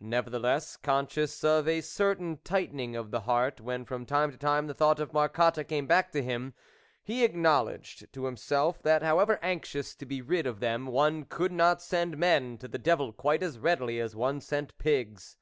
Nevertheless, conscious of a cer tain tightening of the heart when from time to time the thought of Marcotte came back to him, he acknowledged to himself that, however anxious to be rid of them, one could not send men to the devil quite as readily as one sent pigs.